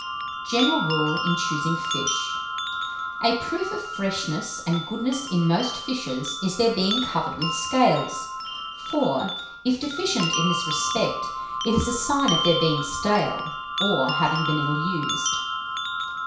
_ GENERAL RULE IN CHOOSING FISH. _A proof of freshness and goodness in most fishes, is their being covered with scales; for, if deficient in this respect, it is a sign of their being stale, or having been ill used.